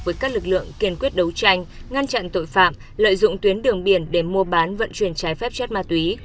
với các lực lượng kiên quyết đấu tranh ngăn chặn tội phạm lợi dụng tuyến đường biển để mua bán vận chuyển trái phép chất ma túy